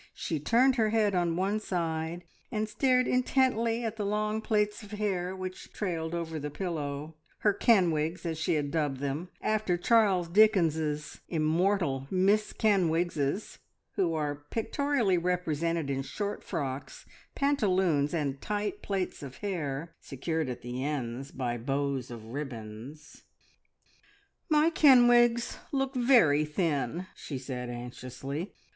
She turned her head on one side and stared intently at the long plaits of hair which trailed over the pillow her "Kenwigs" as she had dubbed them, after Charles Dickens's immortal "Miss Kenwigses," who are pictorially represented in short frocks, pantaloons, and tight plaits of hair, secured at the ends by bows of ribbon. "My Kenwigs look very thin," she said anxiously.